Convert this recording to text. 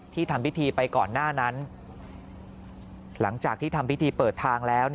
ทำพิธีไปก่อนหน้านั้นหลังจากที่ทำพิธีเปิดทางแล้ว